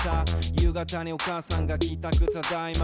夕方にお母さんが帰たくただいま。